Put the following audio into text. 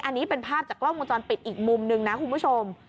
อันนี้เป็นภาพจากกล้องวงจรปิดอีกมุมนึงนะคุณผู้ชม